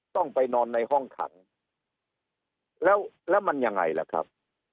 ต้องไปนอนในห้องขังแล้วแล้วมันยังไงล่ะครับ